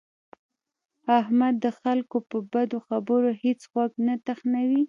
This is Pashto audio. احمد د خلکو په بدو خبرو هېڅ غوږ نه تخنوي.